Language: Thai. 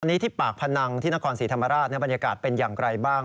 อันนี้ที่ปากพนังที่นครศรีธรรมราชบรรยากาศเป็นอย่างไรบ้าง